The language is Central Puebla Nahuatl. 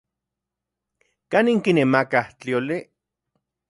¿Kanin kinemakaj tlioli?